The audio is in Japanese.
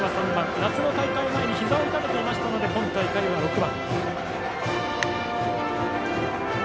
夏の大会前にひざを痛めていたので今大会は６番。